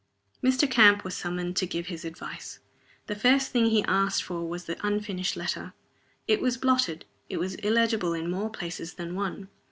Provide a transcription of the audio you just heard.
Mr. Camp was summoned to give his advice. The first thing he asked for was the unfinished letter. It was blotted, it was illegible in more places than one.